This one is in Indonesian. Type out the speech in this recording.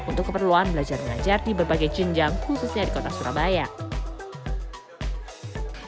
untuk keperluan belajar mengajar di berbagai jinjam khususnya di kota surabaya